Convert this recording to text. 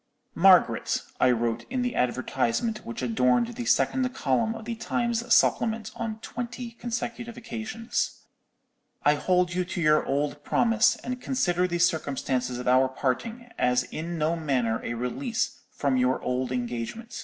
"'Margaret,' I wrote in the advertisement which adorned the second column of the Times Supplement on twenty consecutive occasions, '_I hold you to your old promise, and consider the circumstances of our parting as in no manner a release from your old engagement.